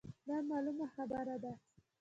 دا مـعـلومـه خـبـره ده.